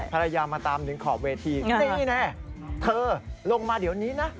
มาตามถึงขอบเวทีนี่แน่เธอลงมาเดี๋ยวนี้นะ